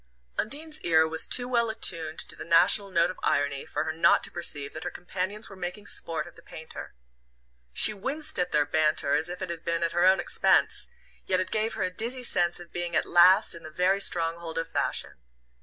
Undine's ear was too well attuned to the national note of irony for her not to perceive that her companions were making sport of the painter. She winced at their banter as if it had been at her own expense, yet it gave her a dizzy sense of being at last in the very stronghold of fashion.